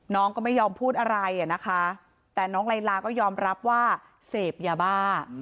น้องก็ไม่ยอมพูดอะไรอ่ะนะคะแต่น้องไลลาก็ยอมรับว่าเสพยาบ้า